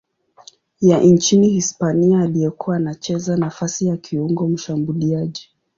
ya nchini Hispania aliyekuwa anacheza nafasi ya kiungo mshambuliaji.